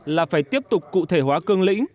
là phải tiếp tục cụ thể hóa cương lĩnh